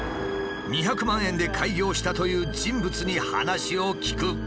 ２００万円で開業したという人物に話を聞く。